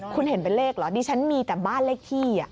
คุณเห็นเป็นเลขเหรอดิฉันมีแต่บ้านเลขที่